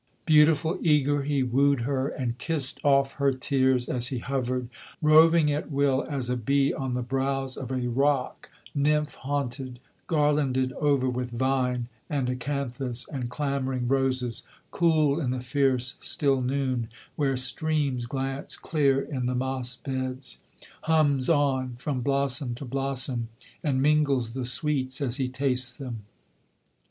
Beautiful, eager, he wooed her, and kissed off her tears as he hovered, Roving at will, as a bee, on the brows of a rock nymph haunted, Garlanded over with vine, and acanthus, and clambering roses, Cool in the fierce still noon, where streams glance clear in the mossbeds, Hums on from blossom to blossom, and mingles the sweets as he tastes them.